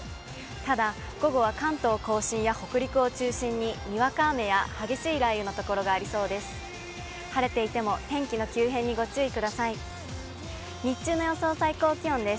ただ、午後は関東甲信や北陸を中心ににわか雨や激しい雷雨の所がありそうです。